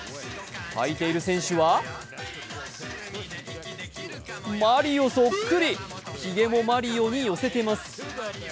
履いている選手はマリオそっくり、ひげもマリオに寄せています。